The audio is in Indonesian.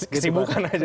kesibukan aja ya